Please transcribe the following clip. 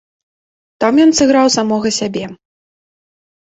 Там ён сыграў самога сябе.